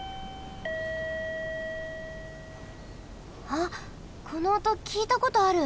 あっこのおときいたことある。